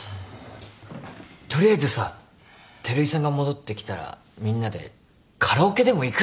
取りあえずさ照井さんが戻ってきたらみんなでカラオケでも行く？